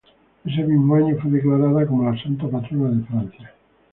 Ese mismo año fue declarada como la santa patrona de Francia.